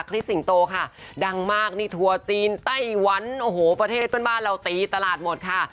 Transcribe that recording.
สิงโตค่ะดังมากนี่ทัวร์จีนไต้หวันโอ้โหประเทศเพื่อนบ้านเราตีตลาดหมดค่ะ